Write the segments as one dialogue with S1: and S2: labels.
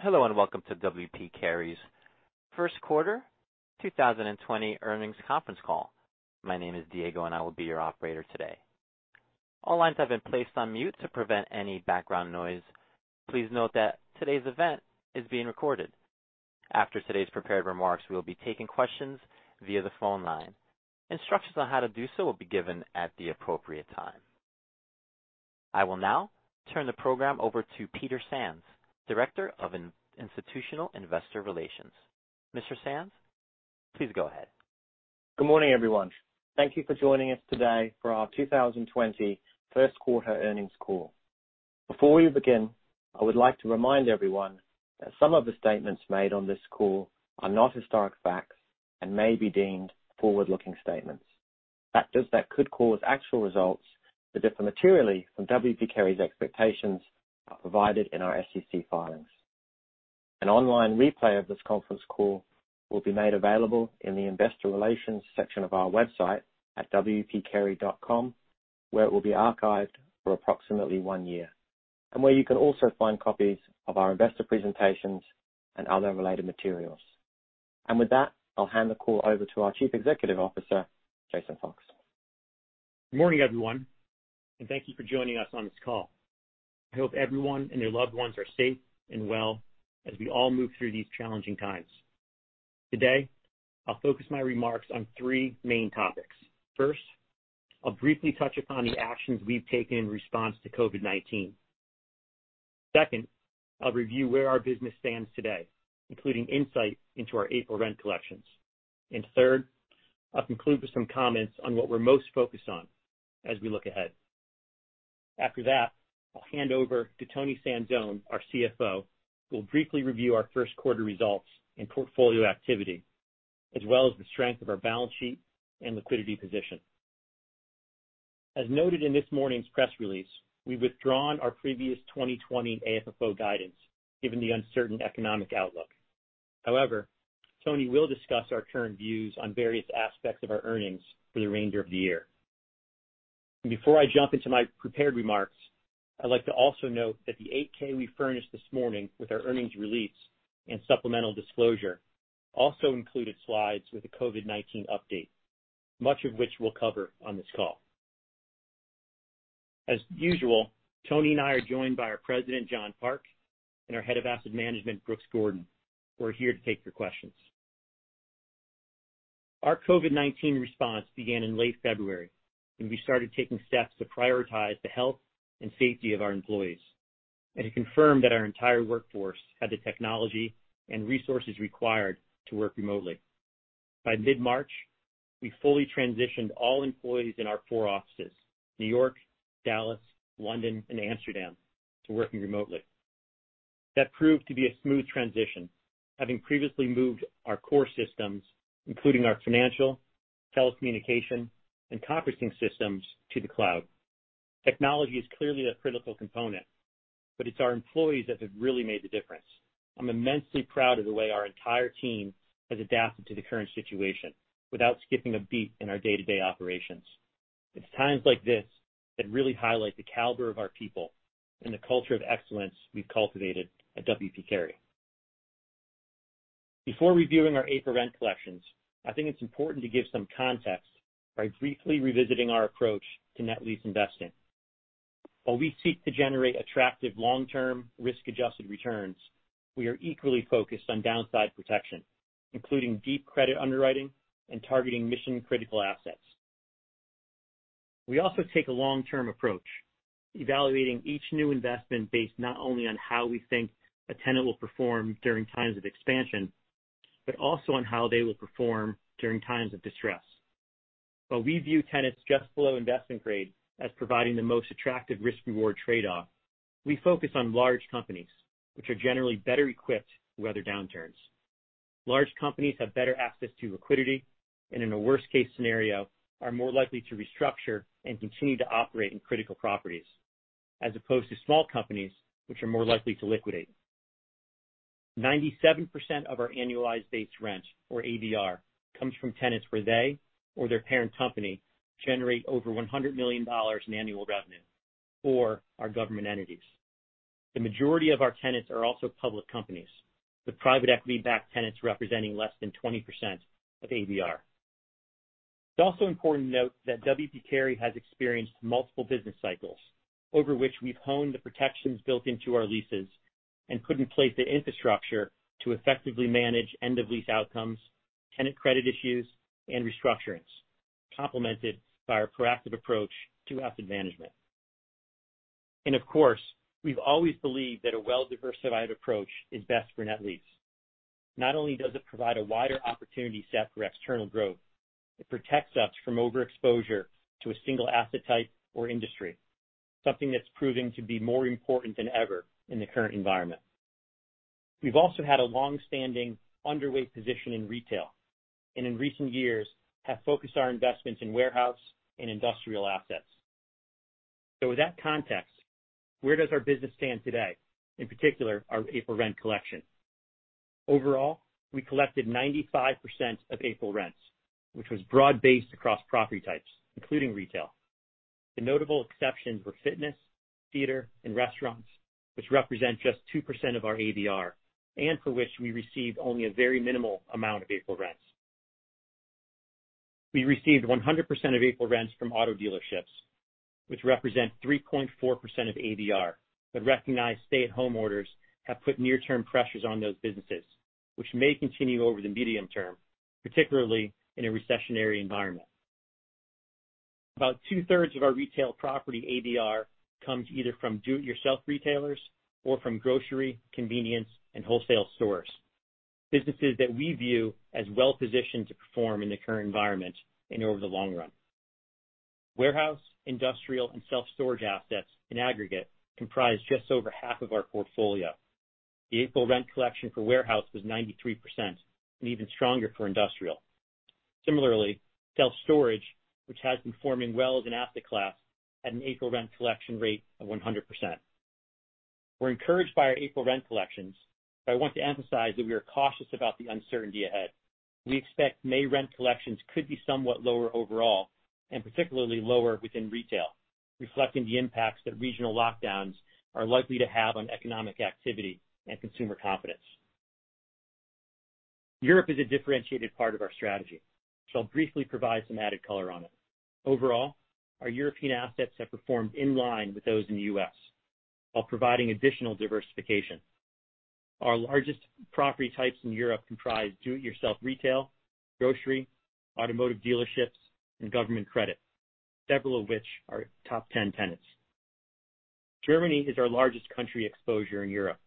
S1: Hello, and welcome to W. P. Carey's first quarter 2020 earnings conference call. My name is Diego, and I will be your operator today. All lines have been placed on mute to prevent any background noise. Please note that today's event is being recorded. After today's prepared remarks, we will be taking questions via the phone line. Instructions on how to do so will be given at the appropriate time. I will now turn the program over to Peter Sands, Director of Institutional Investor Relations. Mr. Sands, please go ahead.
S2: Good morning, everyone. Thank you for joining us today for our 2020 first quarter earnings call. Before we begin, I would like to remind everyone that some of the statements made on this call are not historic facts and may be deemed forward-looking statements. Factors that could cause actual results to differ materially from W. P. Carey's expectations are provided in our SEC filings. An online replay of this conference call will be made available in the investor relations section of our website at wpcarey.com, where it will be archived for approximately one year, and where you can also find copies of our investor presentations and other related materials. With that, I'll hand the call over to our Chief Executive Officer, Jason Fox.
S3: Good morning, everyone, and thank you for joining us on this call. I hope everyone and their loved ones are safe and well as we all move through these challenging times. Today, I'll focus my remarks on three main topics. First, I'll briefly touch upon the actions we've taken in response to COVID-19. Second, I'll review where our business stands today, including insight into our April rent collections. Third, I'll conclude with some comments on what we're most focused on as we look ahead. After that, I'll hand over to Toni Sanzone, our CFO, who will briefly review our first quarter results and portfolio activity, as well as the strength of our balance sheet and liquidity position. As noted in this morning's press release, we've withdrawn our previous 2020 AFFO guidance given the uncertain economic outlook. Toni will discuss our current views on various aspects of our earnings for the remainder of the year. Before I jump into my prepared remarks, I'd like to also note that the 8-K we furnished this morning with our earnings release and supplemental disclosure also included slides with a COVID-19 update, much of which we'll cover on this call. As usual, Toni and I are joined by our President, John Park, and our Head of Asset Management, Brooks Gordon, who are here to take your questions. Our COVID-19 response began in late February when we started taking steps to prioritize the health and safety of our employees and to confirm that our entire workforce had the technology and resources required to work remotely. By mid-March, we fully transitioned all employees in our four offices, New York, Dallas, London, and Amsterdam, to working remotely. That proved to be a smooth transition, having previously moved our core systems, including our financial, telecommunication, and conferencing systems, to the cloud. Technology is clearly a critical component, but it's our employees that have really made the difference. I'm immensely proud of the way our entire team has adapted to the current situation without skipping a beat in our day-to-day operations. It's times like this that really highlight the caliber of our people and the culture of excellence we've cultivated at W. P. Carey. Before reviewing our April rent collections, I think it's important to give some context by briefly revisiting our approach to net lease investing. While we seek to generate attractive long-term risk-adjusted returns, we are equally focused on downside protection, including deep credit underwriting and targeting mission-critical assets. We also take a long-term approach, evaluating each new investment based not only on how we think a tenant will perform during times of expansion, but also on how they will perform during times of distress. While we view tenants just below investment grade as providing the most attractive risk/reward trade-off, we focus on large companies, which are generally better equipped to weather downturns. Large companies have better access to liquidity, and in a worst-case scenario, are more likely to restructure and continue to operate in critical properties, as opposed to small companies, which are more likely to liquidate. 97% of our Annualized Base Rent, or ABR, comes from tenants where they or their parent company generate over $100 million in annual revenue or are government entities. The majority of our tenants are also public companies, with private equity-backed tenants representing less than 20% of ABR. It's also important to note that W. P. Carey has experienced multiple business cycles over which we've honed the protections built into our leases and put in place the infrastructure to effectively manage end-of-lease outcomes, tenant credit issues, and restructurings, complemented by our proactive approach to asset management. Of course, we've always believed that a well-diversified approach is best for net lease. Not only does it provide a wider opportunity set for external growth, it protects us from overexposure to a single asset type or industry, something that's proving to be more important than ever in the current environment. We've also had a long-standing underweight position in retail, and in recent years have focused our investments in warehouse and industrial assets. With that context, where does our business stand today, in particular our April rent collection? Overall, we collected 95% of April rents, which was broad-based across property types, including retail. The notable exceptions were fitness, theater, and restaurants, which represent just 2% of our ABR, and for which we received only a very minimal amount of April rents. We received 100% of April rents from auto dealerships, which represent 3.4% of ABR, but recognize stay-at-home orders have put near-term pressures on those businesses, which may continue over the medium term, particularly in a recessionary environment. About two-thirds of our retail property ABR comes either from do-it-yourself retailers or from grocery, convenience, and wholesale stores, businesses that we view as well-positioned to perform in the current environment and over the long run. Warehouse, industrial, and self-storage assets in aggregate comprise just over half of our portfolio. The April rent collection for warehouse was 93% and even stronger for industrial. Similarly, self-storage, which has been performing well as an asset class, had an April rent collection rate of 100%. We're encouraged by our April rent collections, but I want to emphasize that we are cautious about the uncertainty ahead. We expect May rent collections could be somewhat lower overall, and particularly lower within retail, reflecting the impacts that regional lockdowns are likely to have on economic activity and consumer confidence. Europe is a differentiated part of our strategy, so I'll briefly provide some added color on it. Overall, our European assets have performed in line with those in the U.S. while providing additional diversification. Our largest property types in Europe comprise do-it-yourself retail, grocery, automotive dealerships, and government credit, several of which are top 10 tenants. Germany is our largest country exposure in Europe.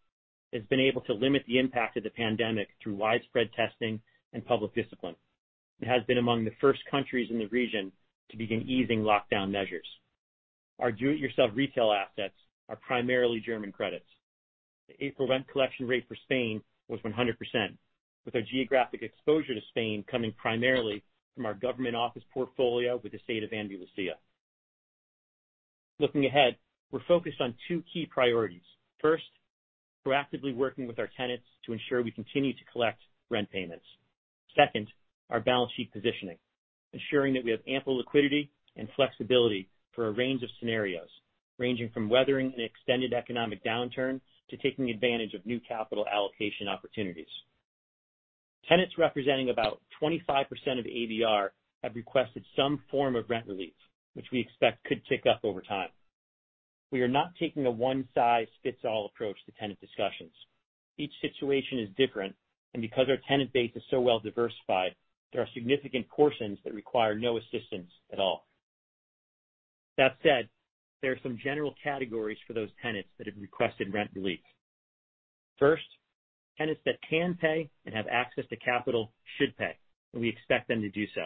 S3: It's been able to limit the impact of the pandemic through widespread testing and public discipline. It has been among the first countries in the region to begin easing lockdown measures. Our do-it-yourself retail assets are primarily German credits. The April rent collection rate for Spain was 100%, with our geographic exposure to Spain coming primarily from our government office portfolio with the State of Andalusia. Looking ahead, we're focused on two key priorities. First, proactively working with our tenants to ensure we continue to collect rent payments. Second, our balance sheet positioning, ensuring that we have ample liquidity and flexibility for a range of scenarios, ranging from weathering an extended economic downturn to taking advantage of new capital allocation opportunities. Tenants representing about 25% of ABR have requested some form of rent relief, which we expect could tick up over time. We are not taking a one-size-fits-all approach to tenant discussions. Each situation is different, and because our tenant base is so well diversified, there are significant portions that require no assistance at all. That said, there are some general categories for those tenants that have requested rent relief. First, tenants that can pay and have access to capital should pay, and we expect them to do so.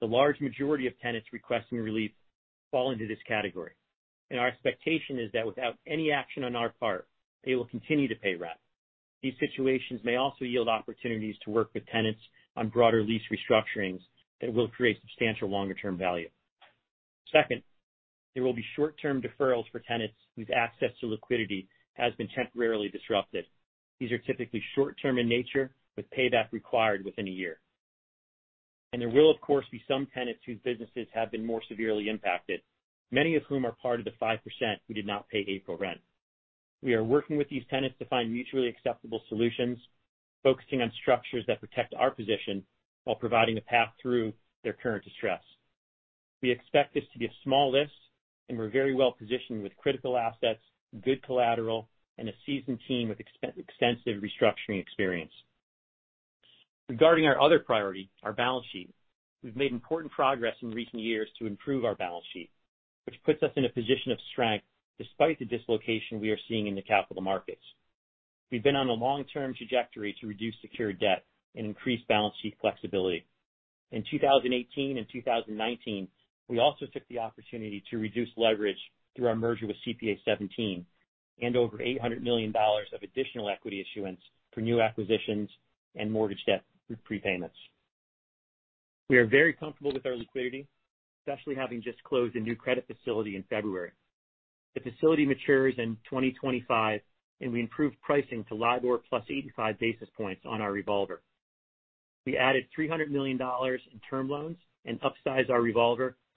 S3: The large majority of tenants requesting relief fall into this category, and our expectation is that without any action on our part, they will continue to pay rent. These situations may also yield opportunities to work with tenants on broader lease restructurings that will create substantial longer-term value. Second, there will be short-term deferrals for tenants whose access to liquidity has been temporarily disrupted. These are typically short-term in nature with payback required within a year. There will, of course, be some tenants whose businesses have been more severely impacted, many of whom are part of the 5% who did not pay April rent. We are working with these tenants to find mutually acceptable solutions, focusing on structures that protect our position while providing a path through their current distress. We expect this to be a small list, and we're very well positioned with critical assets, good collateral, and a seasoned team with extensive restructuring experience. Regarding our other priority, our balance sheet, we've made important progress in recent years to improve our balance sheet, which puts us in a position of strength despite the dislocation we are seeing in the capital markets. We've been on a long-term trajectory to reduce secured debt and increase balance sheet flexibility. In 2018 and 2019, we also took the opportunity to reduce leverage through our merger with CPA:17 and over $800 million of additional equity issuance for new acquisitions and mortgage debt through prepayments. We are very comfortable with our liquidity, especially having just closed a new credit facility in February. The facility matures in 2025, and we improved pricing to LIBOR plus 85 basis points on our revolver.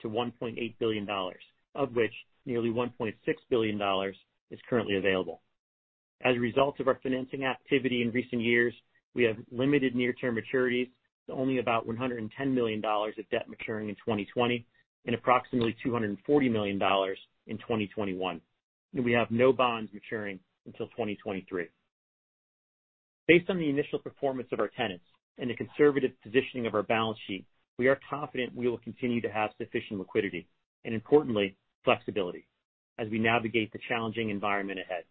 S3: We added $300 million in term loans and upsized our revolver to $1.8 billion, of which nearly $1.6 billion is currently available. As a result of our financing activity in recent years, we have limited near-term maturities to only about $110 million of debt maturing in 2020 and approximately $240 million in 2021. We have no bonds maturing until 2023. Based on the initial performance of our tenants and the conservative positioning of our balance sheet, we are confident we will continue to have sufficient liquidity and, importantly, flexibility as we navigate the challenging environment ahead.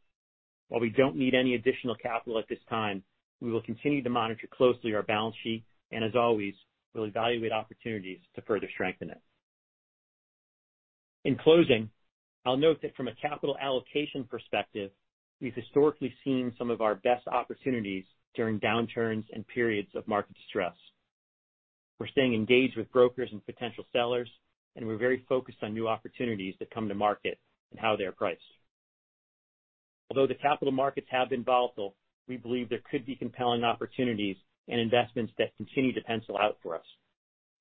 S3: While we don't need any additional capital at this time, we will continue to monitor closely our balance sheet, and as always, we'll evaluate opportunities to further strengthen it. In closing, I'll note that from a capital allocation perspective, we've historically seen some of our best opportunities during downturns and periods of market stress. We're staying engaged with brokers and potential sellers, and we're very focused on new opportunities that come to market and how they're priced. Although the capital markets have been volatile, we believe there could be compelling opportunities and investments that continue to pencil out for us.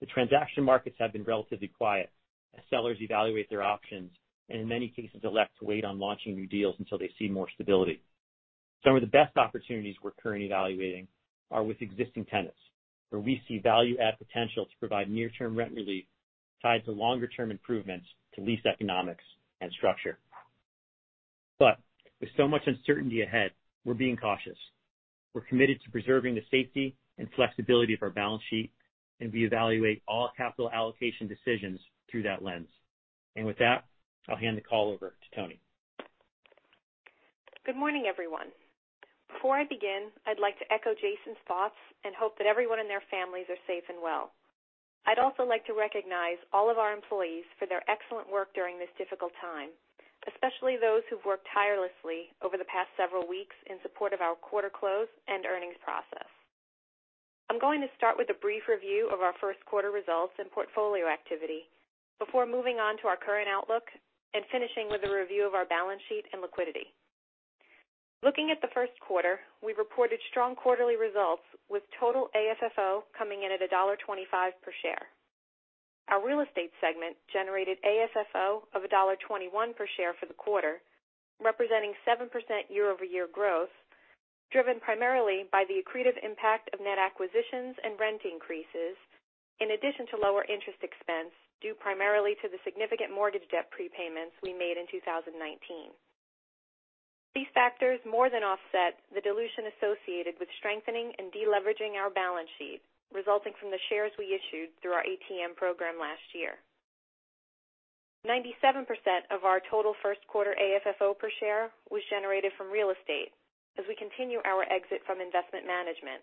S3: The transaction markets have been relatively quiet as sellers evaluate their options and in many cases, elect to wait on launching new deals until they see more stability. Some of the best opportunities we're currently evaluating are with existing tenants, where we see value-add potential to provide near-term rent relief tied to longer-term improvements to lease economics and structure. With so much uncertainty ahead, we're being cautious. We're committed to preserving the safety and flexibility of our balance sheet, we evaluate all capital allocation decisions through that lens. With that, I'll hand the call over to Toni.
S4: Good morning, everyone. Before I begin, I'd like to echo Jason's thoughts and hope that everyone and their families are safe and well. I'd also like to recognize all of our employees for their excellent work during this difficult time, especially those who've worked tirelessly over the past several weeks in support of our quarter close and earnings process. I'm going to start with a brief review of our first quarter results and portfolio activity before moving on to our current outlook and finishing with a review of our balance sheet and liquidity. Looking at the first quarter, we reported strong quarterly results with total AFFO coming in at $1.25 per share. Our real estate segment generated AFFO of $1.21 per share for the quarter, representing 7% year-over-year growth, driven primarily by the accretive impact of net acquisitions and rent increases, in addition to lower interest expense due primarily to the significant mortgage debt prepayments we made in 2019. These factors more than offset the dilution associated with strengthening and de-leveraging our balance sheet, resulting from the shares we issued through our ATM program last year. 97% of our total first quarter AFFO per share was generated from real estate as we continue our exit from investment management,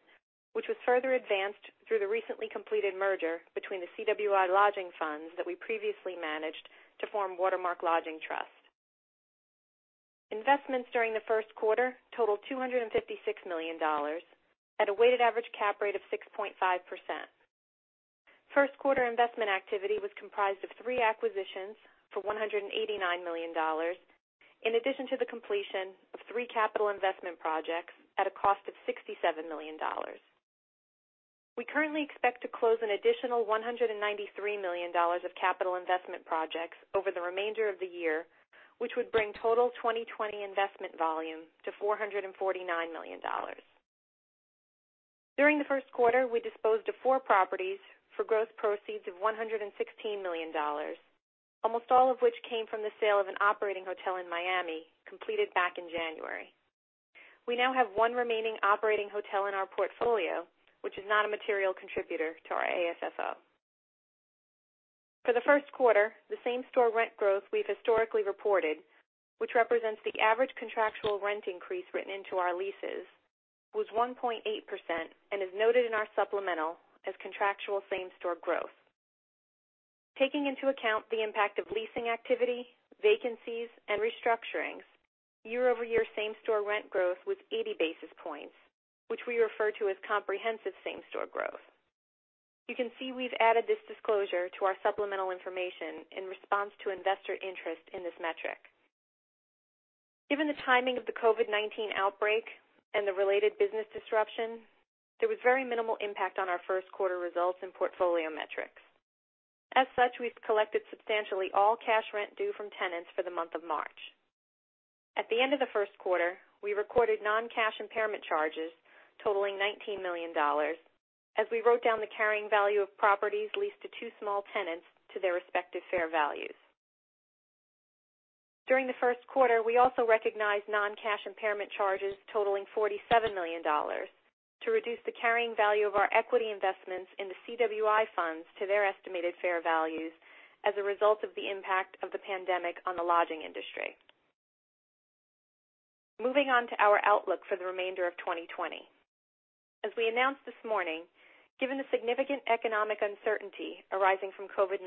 S4: which was further advanced through the recently completed merger between the CWI Lodging Funds that we previously managed to form Watermark Lodging Trust. Investments during the first quarter totaled $256 million at a weighted average cap rate of 6.5%. First quarter investment activity was comprised of three acquisitions for $189 million, in addition to the completion of three capital investment projects at a cost of $67 million. We currently expect to close an additional $193 million of capital investment projects over the remainder of the year, which would bring total 2020 investment volume to $449 million. During the first quarter, we disposed of four properties for gross proceeds of $116 million, almost all of which came from the sale of an operating hotel in Miami, completed back in January. We now have one remaining operating hotel in our portfolio, which is not a material contributor to our AFFO. For the first quarter, the same-store rent growth we've historically reported, which represents the average contractual rent increase written into our leases, was 1.8% and is noted in our supplemental as contractual same-store growth. Taking into account the impact of leasing activity, vacancies, and restructurings, year-over-year same-store rent growth was 80 basis points, which we refer to as comprehensive same-store growth. You can see we've added this disclosure to our supplemental information in response to investor interest in this metric. Given the timing of the COVID-19 outbreak and the related business disruption, there was very minimal impact on our first quarter results and portfolio metrics. As such, we've collected substantially all cash rent due from tenants for the month of March. At the end of the first quarter, we recorded non-cash impairment charges totaling $19 million as we wrote down the carrying value of properties leased to two small tenants to their respective fair values. During the first quarter, we also recognized non-cash impairment charges totaling $47 million to reduce the carrying value of our equity investments in the CWI funds to their estimated fair values as a result of the impact of the pandemic on the lodging industry. Moving on to our outlook for the remainder of 2020. As we announced this morning, given the significant economic uncertainty arising from COVID-19,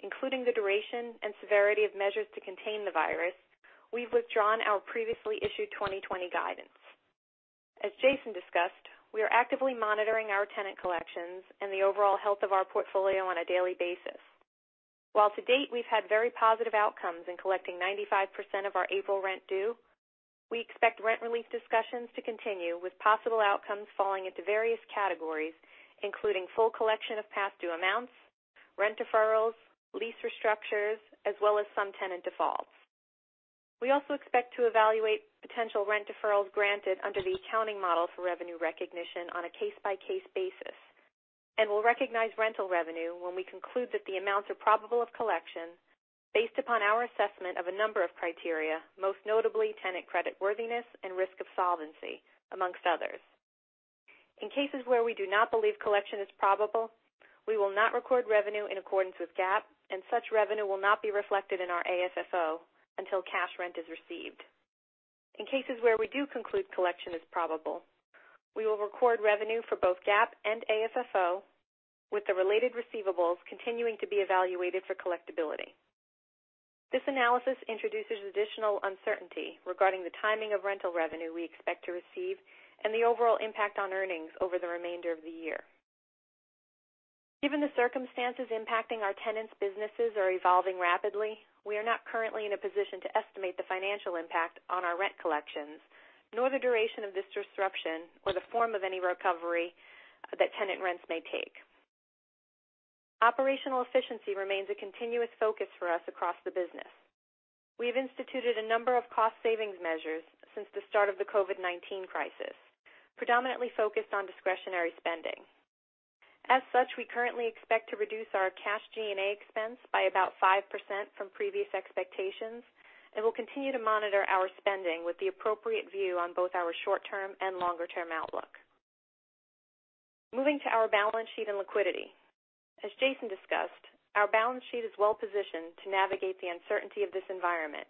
S4: including the duration and severity of measures to contain the virus, we've withdrawn our previously issued 2020 guidance. As Jason discussed, we are actively monitoring our tenant collections and the overall health of our portfolio on a daily basis. While to date, we've had very positive outcomes in collecting 95% of our April rent due, we expect rent relief discussions to continue with possible outcomes falling into various categories, including full collection of past due amounts, rent deferrals, lease restructures, as well as some tenant defaults. We also expect to evaluate potential rent deferrals granted under the accounting model for revenue recognition on a case-by-case basis. We'll recognize rental revenue when we conclude that the amounts are probable of collection based upon our assessment of a number of criteria, most notably tenant credit worthiness and risk of solvency, amongst others. In cases where we do not believe collection is probable, we will not record revenue in accordance with GAAP, and such revenue will not be reflected in our AFFO until cash rent is received. In cases where we do conclude collection is probable, we will record revenue for both GAAP and AFFO with the related receivables continuing to be evaluated for collectibility. This analysis introduces additional uncertainty regarding the timing of rental revenue we expect to receive and the overall impact on earnings over the remainder of the year. Given the circumstances impacting our tenants' businesses are evolving rapidly, we are not currently in a position to estimate the financial impact on our rent collections, nor the duration of this disruption or the form of any recovery that tenant rents may take. Operational efficiency remains a continuous focus for us across the business. We've instituted a number of cost savings measures since the start of the COVID-19 crisis, predominantly focused on discretionary spending. As such, we currently expect to reduce our cash G&A expense by about 5% from previous expectations. We'll continue to monitor our spending with the appropriate view on both our short-term and longer-term outlook. Moving to our balance sheet and liquidity. As Jason discussed, our balance sheet is well-positioned to navigate the uncertainty of this environment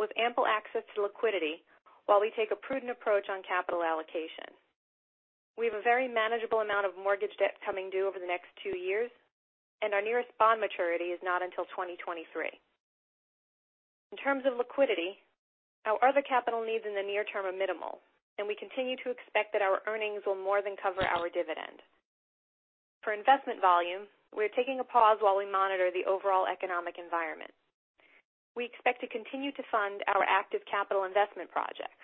S4: with ample access to liquidity while we take a prudent approach on capital allocation. We have a very manageable amount of mortgage debt coming due over the next two years. Our nearest bond maturity is not until 2023. In terms of liquidity, our other capital needs in the near term are minimal. We continue to expect that our earnings will more than cover our dividend. For investment volume, we are taking a pause while we monitor the overall economic environment. We expect to continue to fund our active capital investment projects.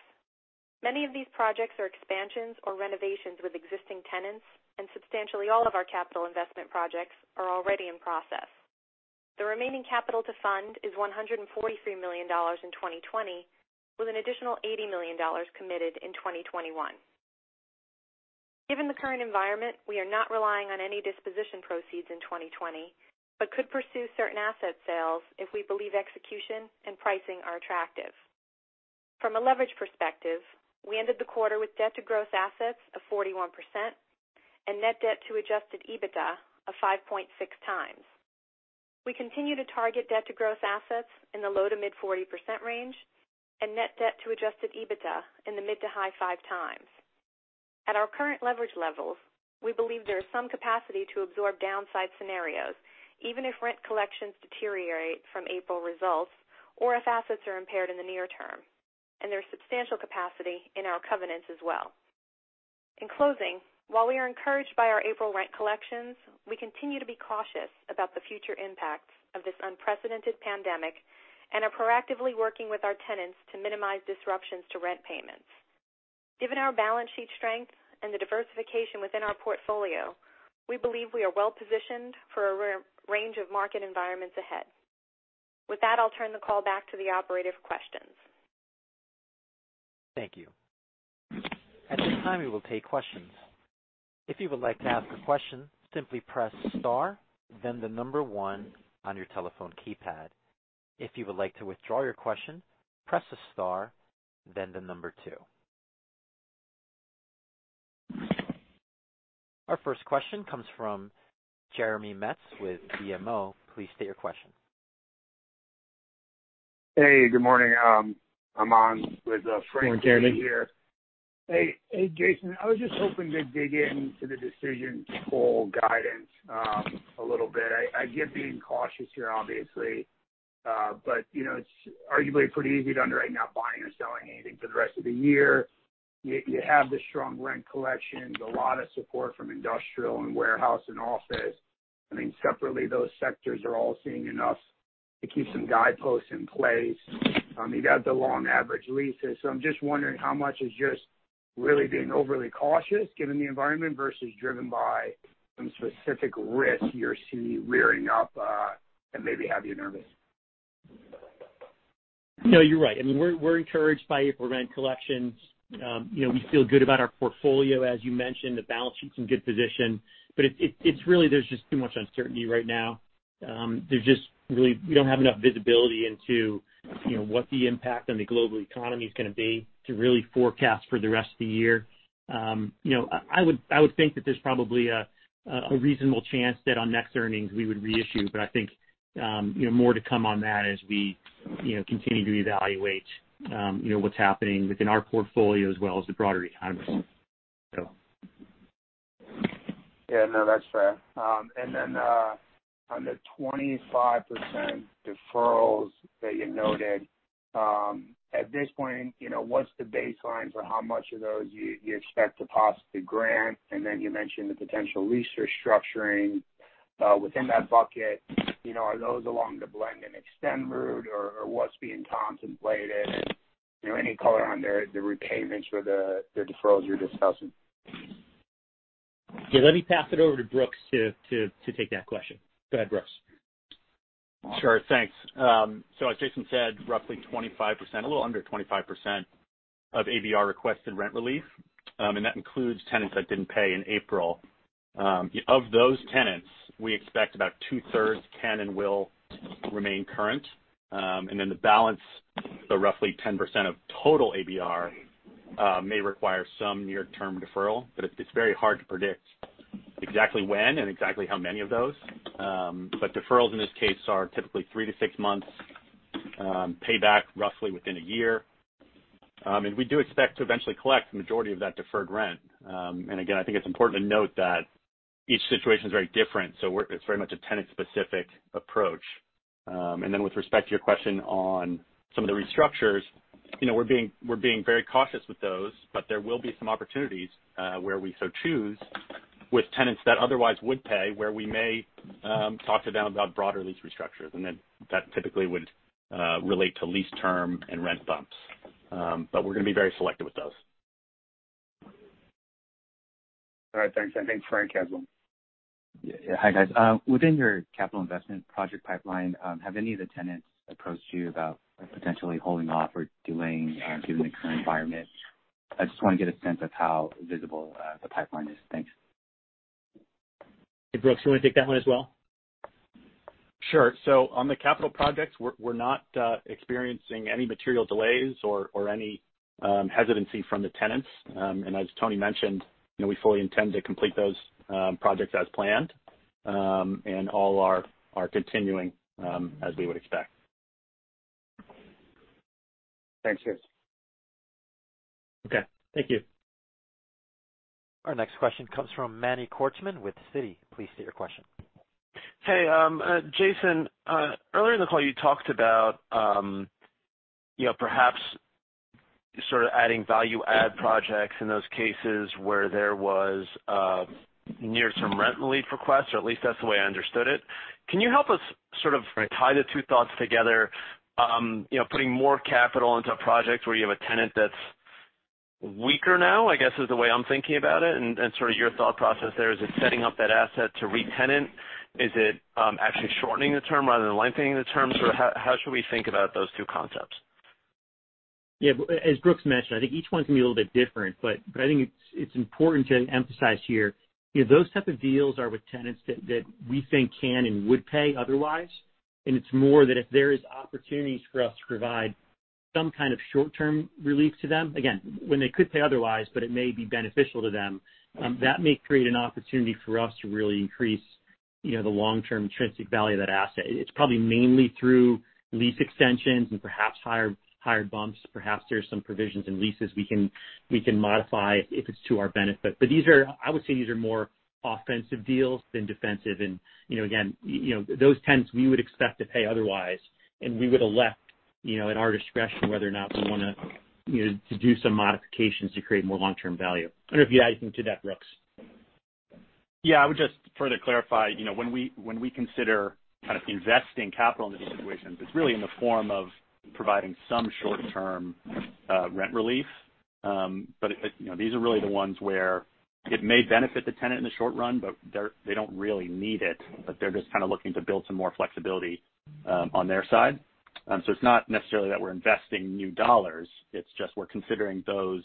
S4: Many of these projects are expansions or renovations with existing tenants, and substantially all of our capital investment projects are already in process. The remaining capital to fund is $143 million in 2020, with an additional $80 million committed in 2021. Given the current environment, we are not relying on any disposition proceeds in 2020, but could pursue certain asset sales if we believe execution and pricing are attractive. From a leverage perspective, we ended the quarter with debt to gross assets of 41% and net debt to adjusted EBITDA of 5.6 times. We continue to target debt to gross assets in the low to mid 40% range and net debt to adjusted EBITDA in the mid to high five times. At our current leverage levels, we believe there is some capacity to absorb downside scenarios, even if rent collections deteriorate from April results or if assets are impaired in the near term, and there's substantial capacity in our covenants as well. In closing, while we are encouraged by our April rent collections, we continue to be cautious about the future impacts of this unprecedented pandemic and are proactively working with our tenants to minimize disruptions to rent payments. Given our balance sheet strength and the diversification within our portfolio, we believe we are well-positioned for a range of market environments ahead. With that, I'll turn the call back to the operator for questions.
S1: Thank you. At this time, we will take questions. If you would like to ask a question, simply press star, then the number one on your telephone keypad. If you would like to withdraw your question, press star, then the number two. Our first question comes from Jeremy Metz with BMO. Please state your question.
S5: Hey, good morning. I'm on with Frank here.
S3: Good morning, Jeremy.
S5: Hey, Jason. I was just hoping to dig into the decision to pull guidance a little bit. I get being cautious here, obviously. It's arguably pretty easy to underwrite not buying or selling anything for the rest of the year. You have the strong rent collections, a lot of support from industrial and warehouse and office. I mean, separately, those sectors are all seeing enough to keep some guideposts in place. You've got the long average leases. I'm just wondering how much is just really being overly cautious given the environment versus driven by some specific risk you're seeing rearing up that maybe have you nervous.
S3: No, you're right. I mean, we're encouraged by April rent collections. We feel good about our portfolio, as you mentioned. The balance sheet's in good position. It's really there's just too much uncertainty right now. We don't have enough visibility into what the impact on the global economy is going to be to really forecast for the rest of the year. I would think that there's probably a reasonable chance that on next earnings we would reissue, but I think more to come on that as we continue to evaluate what's happening within our portfolio as well as the broader economy.
S5: Yeah, no, that's fair. On the 25% deferrals that you noted, at this point, what's the baseline for how much of those you expect to possibly grant? You mentioned the potential lease restructuring within that bucket. Are those along the blend-and-extend route, or what's being contemplated? Any color on the repayments for the deferrals you're discussing?
S3: Yeah. Let me pass it over to Brooks to take that question. Go ahead, Brooks.
S6: Sure. Thanks. As Jason said, roughly 25%, a little under 25% of ABR requested rent relief, and that includes tenants that didn't pay in April. Of those tenants, we expect about two-thirds can and will remain current. The balance, so roughly 10% of total ABR may require some near-term deferral, but it's very hard to predict exactly when and exactly how many of those. Deferrals in this case are typically three to six months, paid back roughly within a year. We do expect to eventually collect the majority of that deferred rent. Again, I think it's important to note that each situation is very different, so it's very much a tenant-specific approach. With respect to your question on some of the restructures, we're being very cautious with those, but there will be some opportunities, where we so choose, with tenants that otherwise would pay, where we may talk to them about broader lease restructures. That typically would relate to lease term and rent bumps. We're going to be very selective with those.
S5: All right. Thanks. Thanks, Frank, as well.
S7: Yeah. Hi, guys. Within your capital investment project pipeline, have any of the tenants approached you about potentially holding off or delaying due to the current environment? I just want to get a sense of how visible the pipeline is. Thanks.
S3: Hey, Brooks, you want to take that one as well?
S6: Sure. On the capital projects, we're not experiencing any material delays or any hesitancy from the tenants. As Toni mentioned, we fully intend to complete those projects as planned. All are continuing as we would expect.
S7: Thanks. Cheers.
S6: Okay. Thank you.
S1: Our next question comes from Manny Korchman with Citi. Please state your question.
S8: Hey. Jason, earlier in the call, you talked about perhaps sort of adding value-add projects in those cases where there was near-term rent relief requests, or at least that's the way I understood it. Can you help us sort of tie the two thoughts together, putting more capital into projects where you have a tenant that's weaker now, I guess, is the way I'm thinking about it, and sort of your thought process there. Is it setting up that asset to re-tenant? Is it actually shortening the term rather than lengthening the terms? How should we think about those two concepts?
S3: As Brooks mentioned, I think each one's going to be a little bit different. I think it's important to emphasize here, those type of deals are with tenants that we think can and would pay otherwise. It's more that if there is opportunities for us to provide some kind of short-term relief to them, again, when they could pay otherwise, but it may be beneficial to them, that may create an opportunity for us to really increase the long-term intrinsic value of that asset. It's probably mainly through lease extensions and perhaps higher bumps. Perhaps there are some provisions in leases we can modify if it's to our benefit. I would say these are more offensive deals than defensive. Again, those tenants we would expect to pay otherwise, and we would elect at our discretion whether or not we want to do some modifications to create more long-term value. I don't know if you'd add anything to that, Brooks.
S6: Yeah. I would just further clarify, when we consider kind of investing capital into these situations, it's really in the form of providing some short-term rent relief. These are really the ones where it may benefit the tenant in the short run, but they don't really need it, but they're just kind of looking to build some more flexibility on their side. It's not necessarily that we're investing new dollars, it's just we're considering those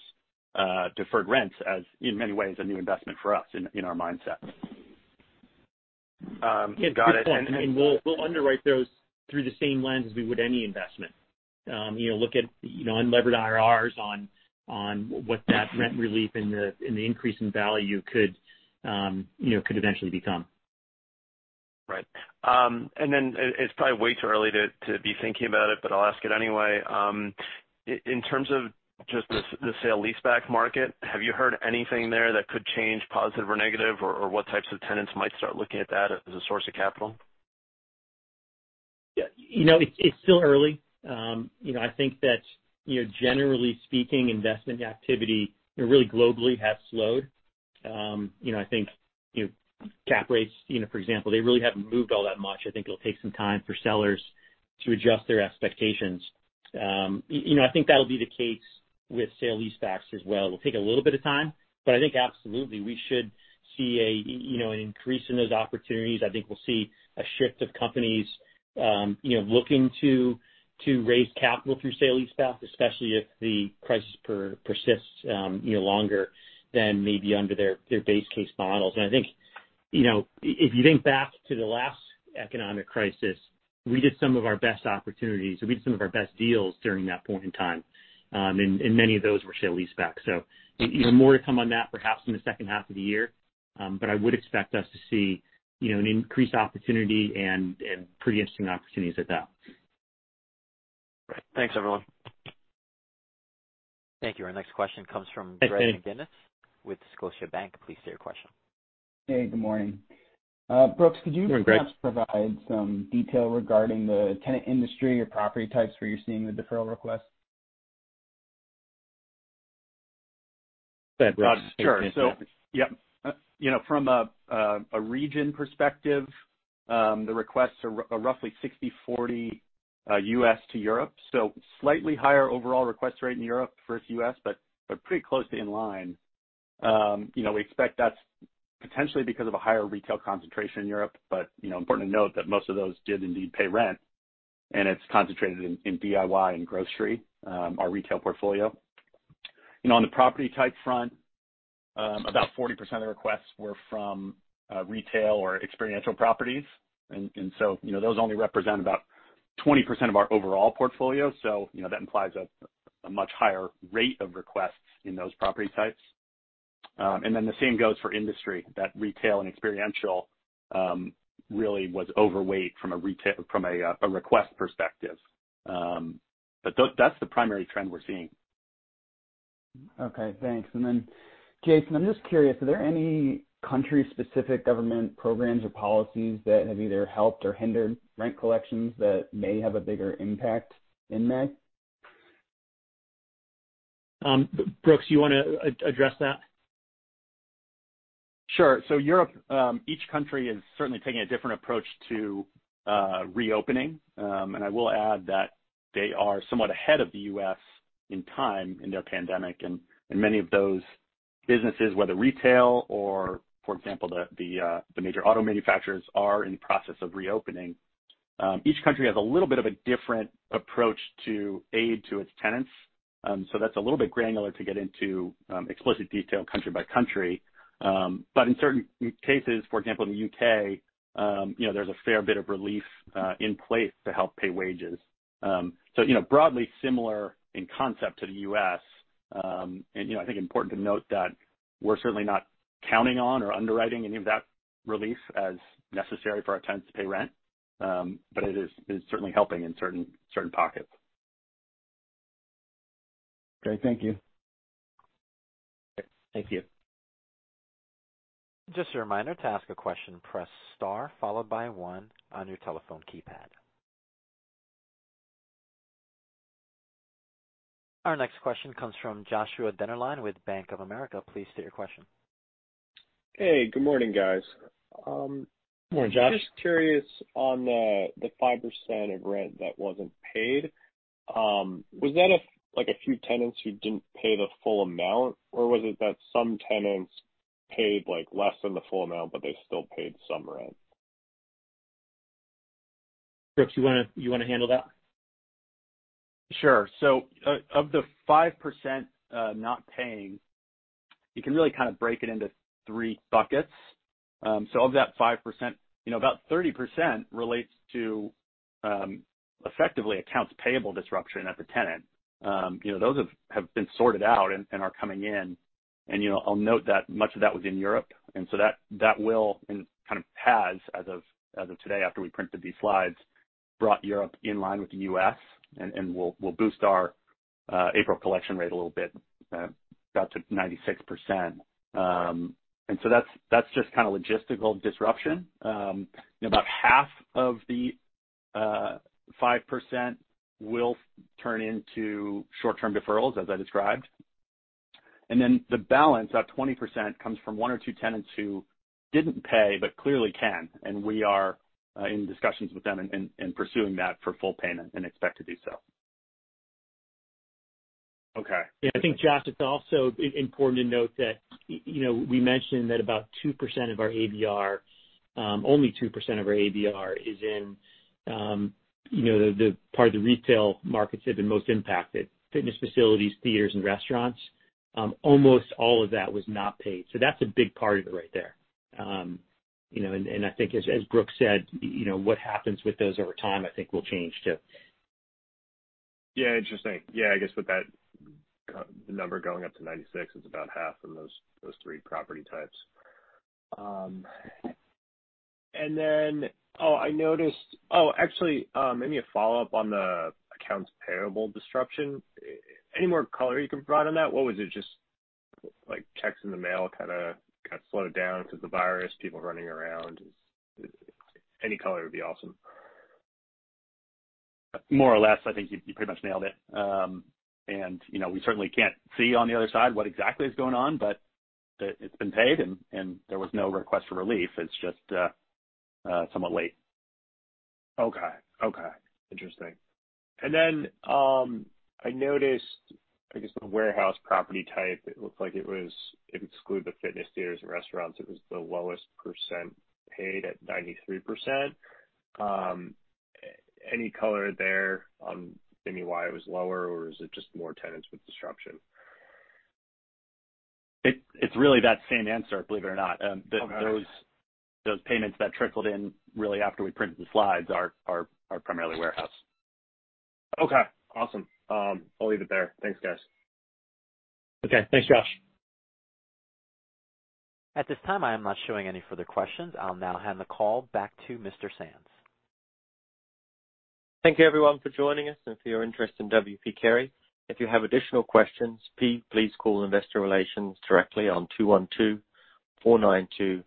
S6: deferred rents as, in many ways, a new investment for us in our mindset.
S8: Got it.
S3: We'll underwrite those through the same lens as we would any investment. Look at unlevered IRRs on what that rent relief and the increase in value could eventually become.
S8: Right. It's probably way too early to be thinking about it, but I'll ask it anyway. In terms of just the sale-leaseback market, have you heard anything there that could change positive or negative, or what types of tenants might start looking at that as a source of capital?
S3: Yeah. It's still early. I think that generally speaking, investment activity really globally has slowed. I think cap rates, for example, they really haven't moved all that much. I think it'll take some time for sellers to adjust their expectations. I think that'll be the case with sale leasebacks as well. It'll take a little bit of time. I think absolutely we should see an increase in those opportunities. I think we'll see a shift of companies looking to raise capital through sale leaseback, especially if the crisis persists longer than maybe under their base case models. I think if you think back to the last economic crisis, we did some of our best opportunities, so we did some of our best deals during that point in time. Many of those were sale leaseback. More to come on that perhaps in the second half of the year. I would expect us to see an increased opportunity and pretty interesting opportunities at that.
S8: Right. Thanks, everyone.
S1: Thank you. Our next question comes from Greg McGinnis with Scotiabank. Please state your question.
S9: Hey, good morning. Brooks.
S6: Morning, Greg
S9: perhaps provide some detail regarding the tenant industry or property types where you're seeing the deferral requests?
S6: Sure. From a region perspective, the requests are roughly 60/40 U.S. to Europe. Slightly higher overall request rate in Europe versus U.S., but pretty closely in line. We expect that's potentially because of a higher retail concentration in Europe, but important to note that most of those did indeed pay rent, and it's concentrated in DIY and grocery, our retail portfolio. On the property type front, about 40% of the requests were from retail or experiential properties. Those only represent about 20% of our overall portfolio. That implies a much higher rate of requests in those property types. The same goes for industry, that retail and experiential really was overweight from a request perspective. That's the primary trend we're seeing.
S9: Okay, thanks. Jason, I'm just curious, are there any country-specific government programs or policies that have either helped or hindered rent collections that may have a bigger impact in May?
S3: Brooks, you want to address that?
S6: Sure. Europe, each country is certainly taking a different approach to reopening. I will add that they are somewhat ahead of the U.S. in time in their pandemic, and many of those businesses, whether retail or, for example, the major auto manufacturers, are in the process of reopening. Each country has a little bit of a different approach to aid to its tenants. That's a little bit granular to get into explicit detail country by country. In certain cases, for example, in the U.K., there's a fair bit of relief in place to help pay wages. Broadly similar in concept to the U.S., and I think important to note that we're certainly not counting on or underwriting any of that relief as necessary for our tenants to pay rent. It is certainly helping in certain pockets.
S9: Great. Thank you.
S6: Thank you.
S1: Just a reminder, to ask a question, press star followed by one on your telephone keypad. Our next question comes from Joshua Dennerline with Bank of America. Please state your question.
S10: Hey, good morning, guys.
S6: Morning, Josh.
S10: Just curious on the 5% of rent that wasn't paid. Was that a few tenants who didn't pay the full amount, or was it that some tenants paid less than the full amount, but they still paid some rent?
S3: Brooks, you want to handle that?
S6: Sure. Of the 5% not paying, you can really kind of break it into three buckets. Of that 5%, about 30% relates to effectively accounts payable disruption at the tenant. Those have been sorted out and are coming in. I'll note that much of that was in Europe, that will, and kind of has, as of today after we printed these slides, brought Europe in line with the U.S. and will boost our April collection rate a little bit, about to 96%. That's just logistical disruption. About half of the 5% will turn into short-term deferrals, as I described. The balance, that 20%, comes from one or two tenants who didn't pay but clearly can, and we are in discussions with them and pursuing that for full payment and expect to do so.
S10: Okay.
S3: I think, Josh, it's also important to note that we mentioned that about 2% of our ABR, only 2% of our ABR is in the part of the retail markets that have been most impacted, fitness facilities, theaters, and restaurants. Almost all of that was not paid. That's a big part of it right there. I think as Brooks said, what happens with those over time, I think, will change too.
S10: Yeah, interesting. Yeah, I guess with that number going up to 96, it's about half of those three property types. Oh, actually maybe a follow-up on the accounts payable disruption. Any more color you can provide on that? What was it, just checks in the mail kind of got slowed down because the virus, people running around? Any color would be awesome.
S6: More or less. I think you pretty much nailed it. We certainly can't see on the other side what exactly is going on, but it's been paid, and there was no request for relief. It's just somewhat late.
S10: Okay. Interesting. I noticed, I guess the warehouse property type, it looked like it was, if you exclude the fitness, theaters, and restaurants, it was the lowest percent paid at 93%. Any color there on maybe why it was lower, or is it just more tenants with disruption?
S6: It's really that same answer, believe it or not.
S10: Okay.
S6: Those payments that trickled in really after we printed the slides are primarily warehouse.
S10: Okay, awesome. I'll leave it there. Thanks, guys.
S3: Okay. Thanks, Josh.
S1: At this time, I am not showing any further questions. I'll now hand the call back to Mr. Sands.
S2: Thank you everyone for joining us and for your interest in W. P. Carey. If you have additional questions, please call investor relations directly on 212-492-1110.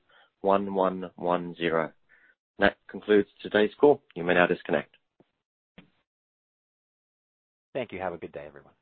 S2: That concludes today's call. You may now disconnect.
S1: Thank you. Have a good day, everyone.